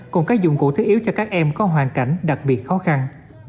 cùng các dụng cụ thiết yếu cho các em có hoàn cảnh đặc biệt khó khăn